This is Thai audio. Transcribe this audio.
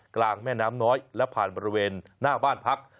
กลางแม่น้ำน้อยและผ่านบริเวณหน้าบ้านพัก